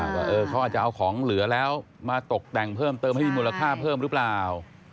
ว่าเขาอาจจะเอาของเหลือแล้วมาตกแต่งเพิ่มเติมให้มีมูลค่าเพิ่มหรือเปล่า